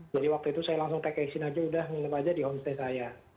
jadi waktu itu saya langsung take action aja udah menempat aja di homestay saya